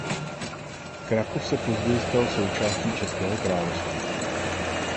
Krakov se později stal součástí Českého království.